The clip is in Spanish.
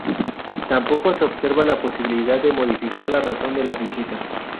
Tampoco se observa la posibilidad de modificar la razón de la visita.